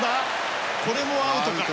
これもアウトか。